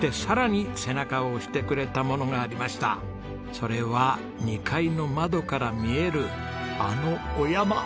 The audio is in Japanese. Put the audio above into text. それは２階の窓から見えるあのお山！